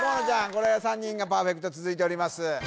これ３人がパーフェクト続いております